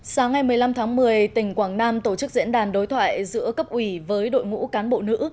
sáng ngày một mươi năm tháng một mươi tỉnh quảng nam tổ chức diễn đàn đối thoại giữa cấp ủy với đội ngũ cán bộ nữ